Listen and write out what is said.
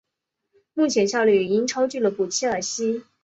目前效力于英超俱乐部切尔西。